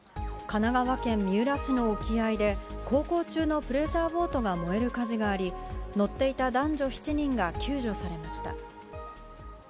神奈川県三浦市の沖合で、航行中のプレジャーボートが燃える火事があり、乗っていた男女７人が救助されました。